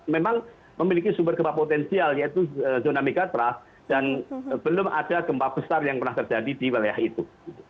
memang memiliki sumber gempa potensial yaitu zona megatrust dan belum ada gempa besar yang pernah terjadi di wilayah itu